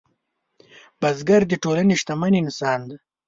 بزګر د ټولنې شتمن انسان دی